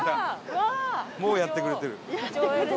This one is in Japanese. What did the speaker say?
もうやってくれた。